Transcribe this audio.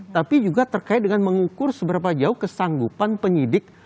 tapi juga terkait dengan mengukur seberapa jauh kesanggupan penyidik